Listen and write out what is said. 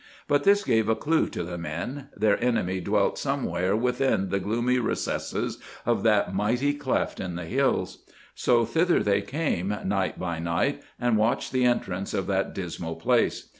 But this gave a clue to the men. Their enemy dwelt somewhere within the gloomy recesses of that mighty cleft in the hills. So thither they came, night by night, and watched the entrance of that dismal place.